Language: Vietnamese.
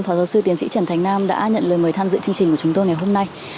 phó giáo sư tiến sĩ trần thành nam đã nhận lời mời tham dự chương trình của chúng tôi ngày hôm nay